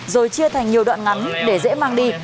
rồi chia thành nhiều đoạn ngắn để dễ mang đi